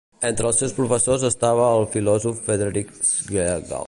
Entre els seus professors estava el filòsof Friedrich Schlegel.